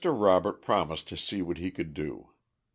Robert promised to see what he could do.